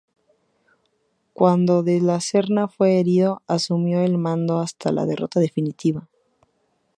Cuando De la Serna fue herido, asumió el mando hasta la derrota definitiva.